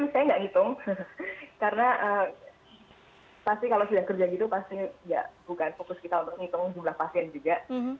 saya nggak ngitung karena pasti kalau sudah kerja gitu pasti ya bukan fokus kita untuk ngitung jumlah pasien juga